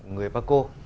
người ba cô